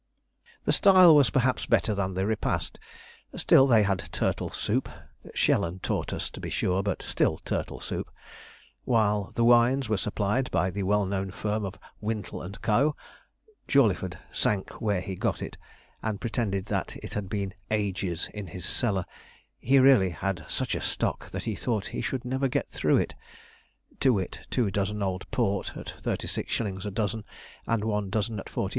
The style was perhaps better than the repast: still they had turtle soup (Shell and Tortoise, to be sure, but still turtle soup); while the wines were supplied by the well known firm of 'Wintle & Co.' Jawleyford sank where he got it, and pretended that it had been 'ages' in his cellar: 'he really had such a stock that he thought he should never get through it' to wit, two dozen old port at 36_s._ a dozen, and one dozen at 48_s.